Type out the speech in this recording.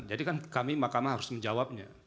jadi kan kami makamah harus mencari